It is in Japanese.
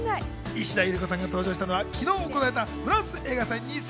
石田ゆり子さんが登場したのは昨日行われたフランス映画祭２０２２